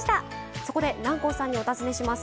そこで南光さんにお尋ねします。